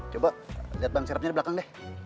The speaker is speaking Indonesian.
coba liat ban serepnya di belakang deh